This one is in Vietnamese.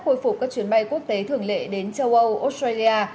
khôi phục các chuyến bay quốc tế thường lệ đến châu âu australia